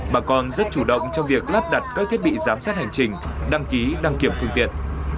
bà con rất chủ động trong việc lắp đặt các thiết bị giám sát hành trình đăng ký đăng kiểm phương tiện